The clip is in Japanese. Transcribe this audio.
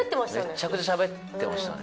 めちゃくちゃしゃべってましたね。